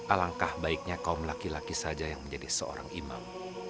alangkah baiknya kaum laki laki saja yang menjadi seorang imam